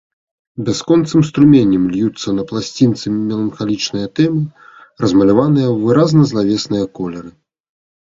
Бясконцым струменем льюцца на пласцінцы меланхалічныя тэмы, размаляваныя ў выразна злавесныя колеры.